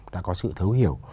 đã có sự thấu hiểu